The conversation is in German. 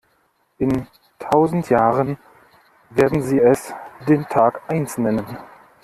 In tausend Jahren werden sie es den Tag eins nennen.